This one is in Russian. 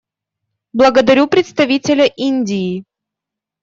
Благодарю представителя Индии.